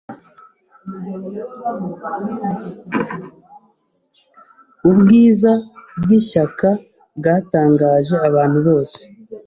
Ubwiza bwishyaka bwatangaje abantu bose.